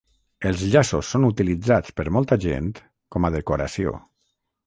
Els llaços són utilitzats per molta gent com a decoració.